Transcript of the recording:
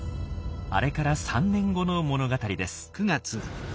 あれから３年後の物語です。